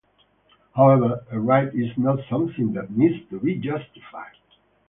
However, a right is not something that needs to be justified.